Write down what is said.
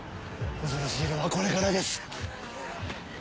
恐ろしいのはこれからです。